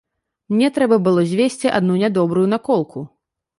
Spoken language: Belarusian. Мне трэба было звесці адну нядобрую наколку.